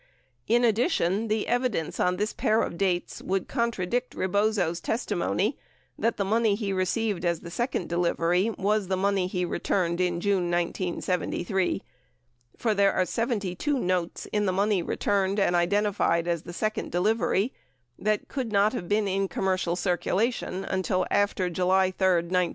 In addition, the evidence on this pair of dates would contradict Rebozo's testimony that the money he received as the second delivery was the money he returned in June 1973, for there are 72 notes in the money returned and identified as the second delivery that could not have been in com mercial circulation until after July 3, 1970.